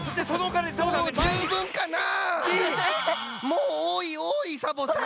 もうおおいおおいサボさん！